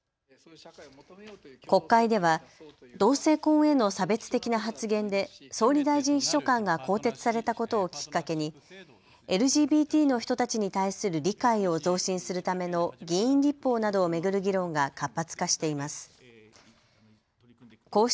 国会では同性婚への差別的な発言で総理大臣秘書官が更迭されたことをきっかけにＬＧＢＴの人たちに対する理解を増進するための議員立法などを巡る議論が活発化しています。